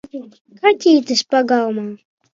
Kaķītis pagalmā!